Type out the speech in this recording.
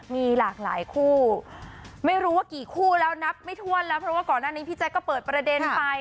มีหลากหลายคู่ไม่รู้ว่ากี่คู่แล้วนับไม่ถ้วนแล้วเพราะว่าก่อนหน้านี้พี่แจ๊คก็เปิดประเด็นไป